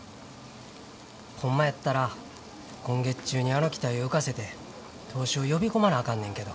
ホンマやったら今月中にあの機体を浮かせて投資を呼び込まなあかんねんけど。